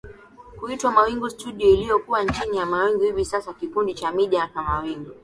Kuitwa Mawingu Studio iliyokuwa chini ya Mawingu hivi sasa kikundi cha media cha mawingu